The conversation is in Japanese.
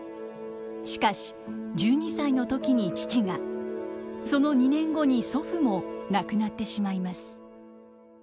しかし１２歳の時に父がその２年後に祖父も亡くなってしまいます。